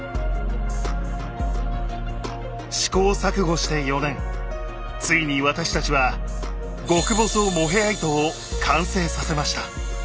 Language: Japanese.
試行錯誤して４年ついに私たちはを完成させました。